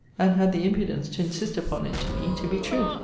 And had the impudence to insist upon it to me to be truth.